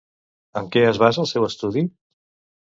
En què es basa el seu estudi?